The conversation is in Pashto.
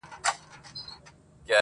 او خبرو باندي سر سو,